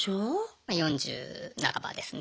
ま４０半ばですね。